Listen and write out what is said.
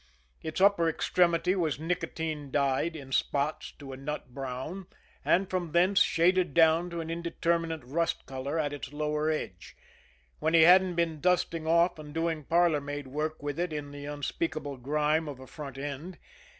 Its upper extremity was nicotine dyed, in spots, to a nut brown, and from thence shaded down to an indeterminate rust color at its lower edge when he hadn't been dusting off and doing parlor maid work with it in the unspeakable grime of a "front end."